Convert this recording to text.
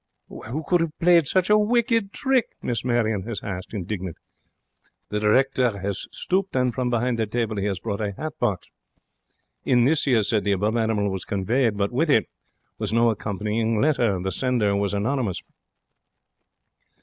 'Who could have played such a wicked trick?' Miss Marion has asked, indignant. The directeur has stooped, and from behind a table he has brought a 'at box. 'In this,' he has said, 'the above animal was conveyed. But with it was no accompanying letter. The sender was anonymous.'